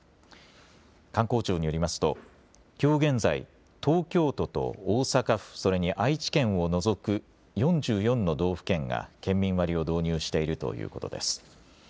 観光庁によりますときょう現在、東京都と大阪府、それに愛知県を除く４４の道府県が県民割を導入しているということです。